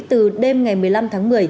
từ đêm ngày một mươi năm tháng một mươi